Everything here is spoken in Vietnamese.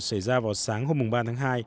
xảy ra vào sáng hôm ba tháng hai